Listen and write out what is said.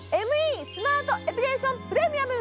ＭＥスマートエピレーションプレミアム！